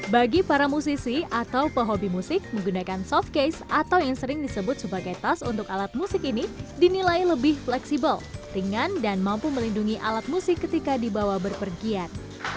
bagi para musisi atau pehobi musik menggunakan softcase atau yang sering disebut sebagai tas untuk alat musik ini dinilai lebih fleksibel ringan dan mampu melindungi alat musik ketika dibawa berpergian